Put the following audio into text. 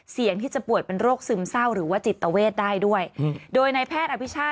เสี่ยงที่จะป่วยเป็นโรคซึมเศร้าหรือว่าจิตเวทได้ด้วยโดยในแพทย์อภิชา